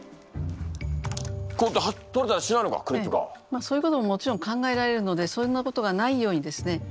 そういうことももちろん考えられるのでそんなことがないようにですね